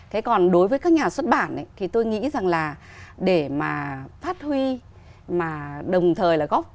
thế còn đối với các nhà xuất bản thì tôi nghĩ rằng là để mà phát huy mà đồng thời là góp